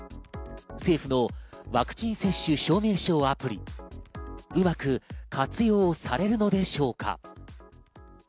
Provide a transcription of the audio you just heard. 政府のワクチン接種証明証アプリ、うまく活用されるのでしょうか？